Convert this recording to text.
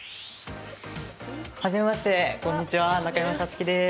初めましてこんにちは中山咲月です。